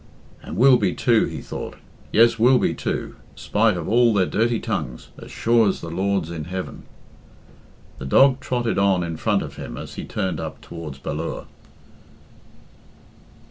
"And will be, too," he thought. "Yes, will be, too, spite of all their dirty tongues as sure as the Lord's in heaven." The dog trotted on in front of him as he turned up towards Ballure.